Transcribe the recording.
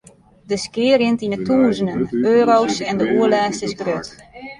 De skea rint yn 'e tûzenen euro's en de oerlêst is grut.